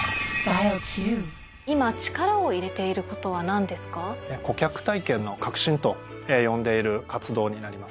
今力を入れていることは何ですか？と呼んでいる活動になります。